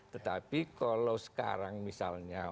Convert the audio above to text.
tetapi kalau sekarang misalnya